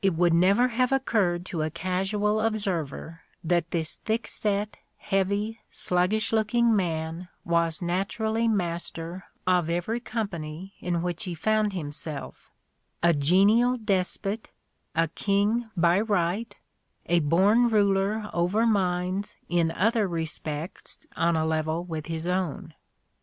It would never have occurred to a casual observer that this thickset, heavy, slug gish looking man was naturally master of every company in which he found himself : a genial despot," a king by right, a born ruler over minds in other respects on a level with his own.